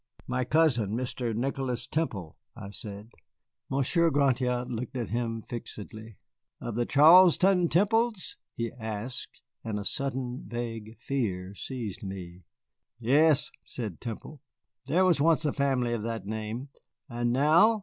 "My cousin, Mr. Nicholas Temple," I said. Monsieur Gratiot looked at him fixedly. "Of the Charlestown Temples?" he asked, and a sudden vague fear seized me. "Yes," said Nick, "there was once a family of that name." "And now?"